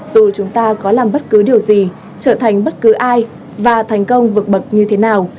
dù chúng ta có làm bất cứ điều gì trở thành bất cứ ai và thành công vực bậc như thế nào